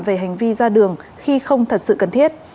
về hành vi ra đường khi không thật sự cần thiết